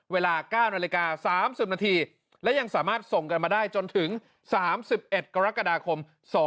เวลา๙นาฬิกา๓๐นาทีและยังสามารถส่งกันมาได้จนถึง๓๑กรกฎาคม๒๕๖